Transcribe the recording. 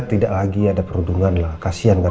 tidak lagi ada perundungan lah kasihan kan